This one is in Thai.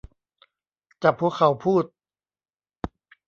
จับหัวเข่าพูด